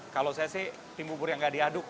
kalau saya sih tim bubur yang nggak diaduk